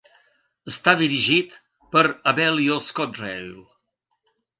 Està dirigit per Abellio ScotRail.